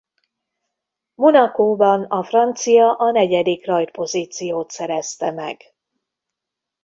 Monacóban a francia a negyedik rajtpozíciót szerezte meg.